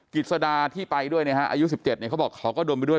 กฤษฎาที่ไปด้วยนะฮะอายุสิบเจ็ดเนี่ยเขาบอกเขาก็โดนไปด้วย